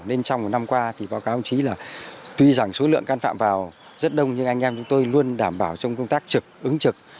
nên trong một năm qua thì báo cáo ông chí là tuy rằng số lượng căn phạm vào rất đông nhưng anh em chúng tôi luôn đảm bảo trong công tác trực ứng trực